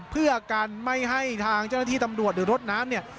เพื่อกันไม่ให้ทางเจ้าหน้าที่ตำรวจหรือรถน้ำเนี่ย